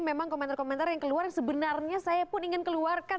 memang komentar komentar yang keluar yang sebenarnya saya pun ingin keluarkan